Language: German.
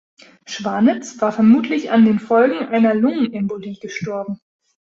Schwanitz war vermutlich an den Folgen einer Lungenembolie gestorben.